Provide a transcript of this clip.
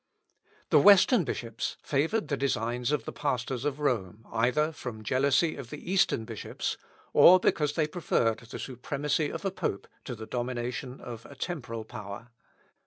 The Western bishops favoured the designs of the pastors of Rome, either from jealousy of the Eastern bishops or because they preferred the supremacy of a pope to the domination of a temporal power.